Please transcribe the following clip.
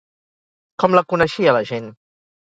Com la coneixia la gent?